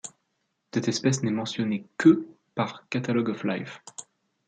Cette espèce n'est mentionnée que par Catalogue of Life.